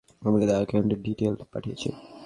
তোমাকে তার অ্যাকাউন্টের ডিটেল পাঠিয়েছি।